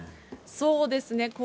そうですね。